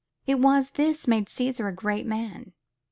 It was this made Cæsar a great man.